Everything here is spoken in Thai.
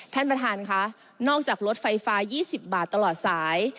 ท่านประธานค่ะนอกจากรถไฟฟ้า๒๐บาทตลอดสาย